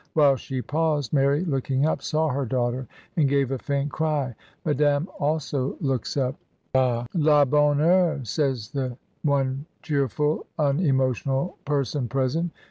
While she paused, Mary, looking up, saw her daughter, and gave a faint cry. Madame also looks up. "yl la bonne heureP^ says the one cheerful, un emotional person present.